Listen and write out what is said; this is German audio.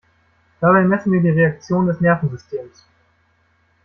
Dabei messen wir die Reaktion des Nervensystems.